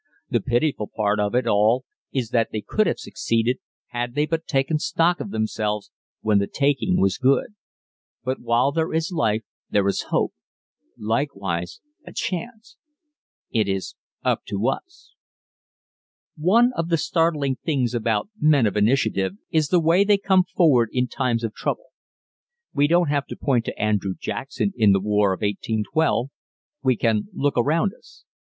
The pitiful part of it all is that they could have succeeded had they but taken stock of themselves when the taking was good. But while there is life there is hope likewise a chance. It is up to us. One of the startling things about men of initiative is the way they come forward in times of trouble. We don't have to point to Andrew Jackson in the War of 1812. We can look around us.